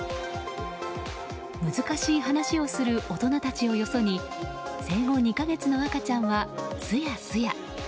難しい話をする大人たちをよそに生後２か月の赤ちゃんはすやすや。